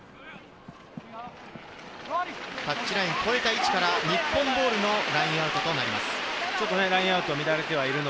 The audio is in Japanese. タッチラインを越えた位置から日本ボールのラインアウトとなります。